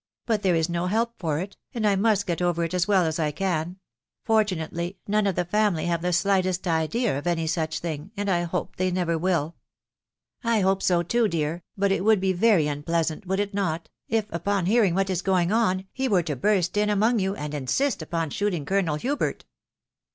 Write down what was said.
" But there is no help for it, and I must get over it as well as I can v .• for tunately none of the family have the slightest idea «£ any such thing, and I hope they never will." " I hope so, too, dear. But it would be very unpleasant, would it not? if, upon hearing what is going on, he were to burst in among you, and insist upon shooting Colonel Hubert